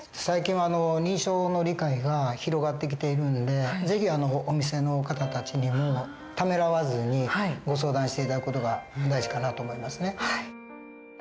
最近は認知症の理解が広がってきているんで是非お店の方たちにもためらわずにご相談して頂く事が大事かなと思いますね。